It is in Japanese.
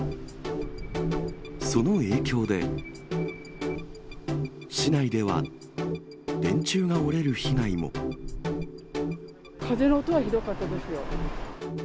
その影響で、風の音はひどかったですよ。